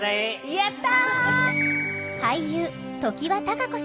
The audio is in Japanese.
やった！